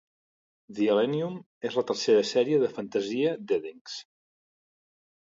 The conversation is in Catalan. "The Elenium" és la tercera sèrie de fantasia d'Eddings.